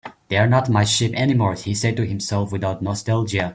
"They're not my sheep anymore," he said to himself, without nostalgia.